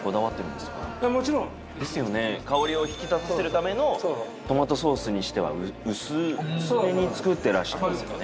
香りを引き立たせるためのトマトソースにしては薄めに作ってらっしゃるんですかね